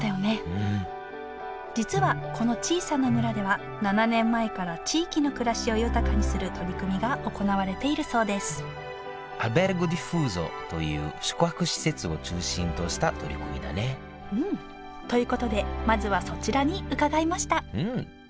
うん実はこの小さな村では７年前から地域の暮らしを豊かにする取り組みが行われているそうですという宿泊施設を中心とした取り組みだねということでまずはそちらに伺いました